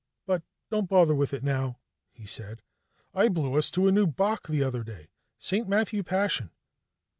"But don't bother with it now," he said. "I blew us to a new Bach the other day St. Matthew Passion."